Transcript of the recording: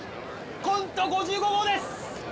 コント５５号です！